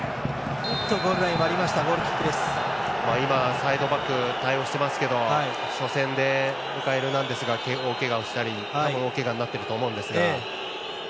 サイドバック対応してますけど初戦でリュカ・エルナンデスが大けがをしたり、たぶん大けがになってると思うんですが。